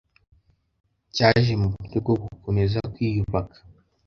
Cyaje mu buryo bwo gukomeza kwiyubaka